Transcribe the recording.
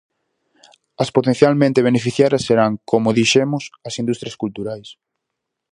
As potencialmente beneficiarias serán, como dixemos, as industrias culturais.